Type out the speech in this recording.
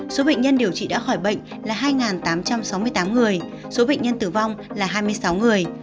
số bệnh nhân điều trị đã khỏi bệnh là hai tám trăm sáu mươi tám người số bệnh nhân tử vong là hai mươi sáu người